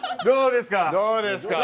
どうですか？